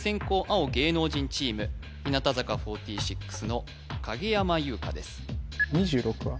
青芸能人チーム日向坂４６の影山優佳です